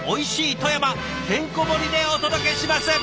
富山てんこ盛りでお届けします！